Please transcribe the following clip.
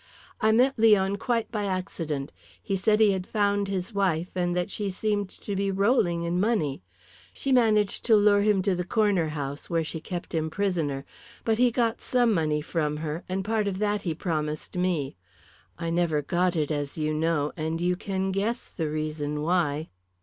I met Leon quite by accident. He said he had found his wife, and that she seemed to be rolling in money. She managed to lure him to the Corner House, where she kept him prisoner. But he got some money from her, and part of that he promised me. I never got it, as you know, and you can guess the reason why.